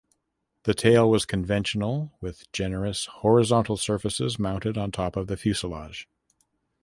The tail was conventional with generous horizontal surfaces mounted on top of the fuselage.